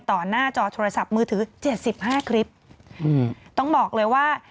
หน้าจอโทรศัพท์มือถือเจ็ดสิบห้าคลิปอืมต้องบอกเลยว่า